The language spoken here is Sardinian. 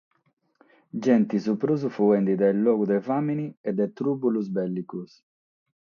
Gente su prus fuende dae logu de fàmene e de trùbulos bèllicos.